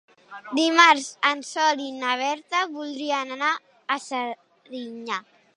Dimarts en Sol i na Berta voldrien anar a Serinyà.